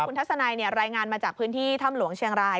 คุณทัศนัยรายงานมาจากพื้นที่ถ้ำหลวงเชียงราย